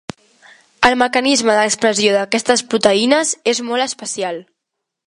El mecanisme d'expressió d'aquestes proteïnes és molt especial.